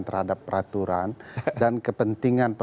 terhadap peraturan dan kepentingan